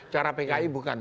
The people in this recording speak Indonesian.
cara pki bukan